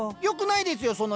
よくないですよ